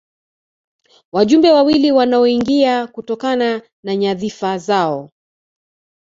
Wajumbe wawili wanaoingia kutokana na nyadhifa zao